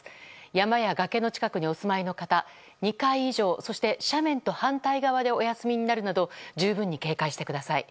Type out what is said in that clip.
山や崖の近くにお住まいの方２階以上、そして斜面と反対側でお休みになるなど十分に警戒してください。